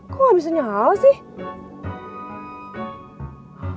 kok gak bisa nyala sih